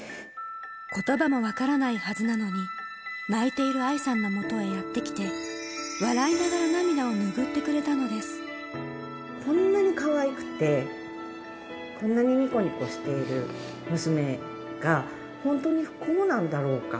ことばも分からないはずなのに、泣いている愛さんのもとへやって来て、笑いながら涙を拭ってくれこんなにかわいくて、こんなににこにこしている娘が、本当に不幸なんだろうか。